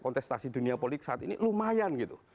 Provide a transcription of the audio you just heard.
kontestasi dunia politik saat ini lumayan gitu